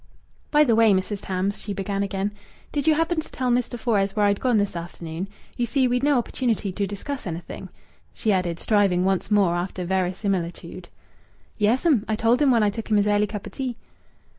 "By the way, Mrs. Tams," she began again, "did you happen to tell Mr. Fores where I'd gone this afternoon?... You see, we'd no opportunity to discuss anything," she added, striving once more after verisimilitude. "Yes'm. I told him when I took him his early cup o' tea."